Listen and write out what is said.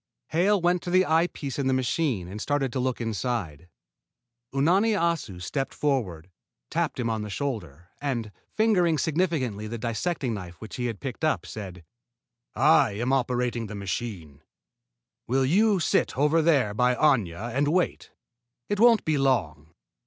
Hale went to the eye piece in the machine and started to look inside. Unani Assu stepped forward, tapped him on the shoulder, and, fingering significantly the dissecting knife which he had picked up, said: "I am operating the machine. Will you sit over there by Aña and wait? It won't be long.